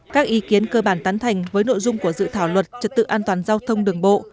các ý kiến cơ bản tán thành với nội dung của dự thảo luật trật tự an toàn giao thông đường bộ